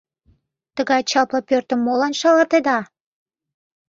Тыгай чапле пӧртым молан шалатеда?